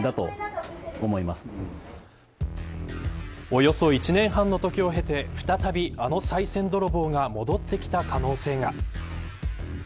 およそ１年半の時を経て再び、あのさい銭泥棒が戻ってきた可能性が。